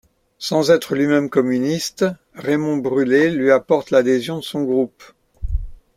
Sans être lui-même communiste, Raymond Brulé lui apporte l'adhésion de son groupe.